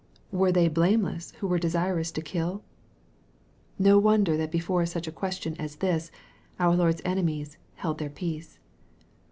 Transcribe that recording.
Were they blameless who were desirous to kill ? No wonder that before such a question as this, our Lord's enemies " held their peace."